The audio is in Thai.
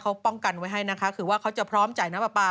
เขาป้องกันไว้ให้นะคะคือว่าเขาจะพร้อมจ่ายน้ำปลาปลา